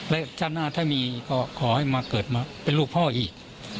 และชาติหน้าถ้ามีก็ขอให้มาเกิดมาเป็นลูกพ่ออีก